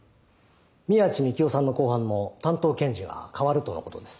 宮地幹雄さんの公判の担当検事が替わるとのことです。